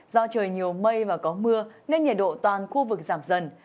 do trời nhiều mây và có mưa nên nhiệt độ toàn khu vực giảm dần